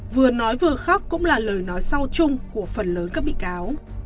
vừa nói vừa khóc cũng là lời nói sau chung của phần lớn các bị cáo